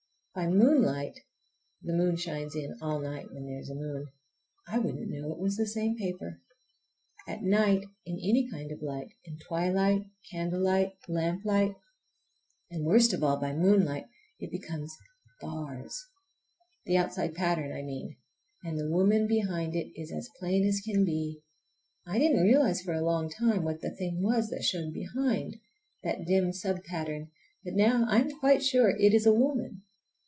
By moonlight—the moon shines in all night when there is a moon—I wouldn't know it was the same paper. At night in any kind of light, in twilight, candlelight, lamplight, and worst of all by moonlight, it becomes bars! The outside pattern I mean, and the woman behind it is as plain as can be. I didn't realize for a long time what the thing was that showed behind,—that dim sub pattern,—but now I am quite sure it is a woman.